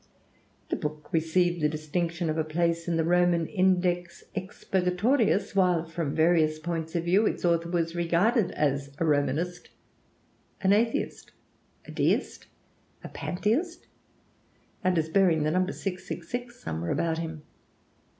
The book received the distinction of a place in the Roman 'Index Expurgatorius,' while from various points of view its author was regarded as a Romanist, an atheist, a deist, a pantheist, and as bearing the number 666 somewhere about him.